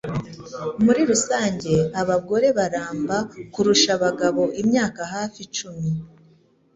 Muri rusange abagore baramba kurusha abagabo imyaka hafi icumi